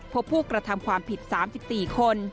พบผู้กระทำความผิด๓๔คน